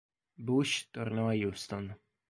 Bush tornò a Houston.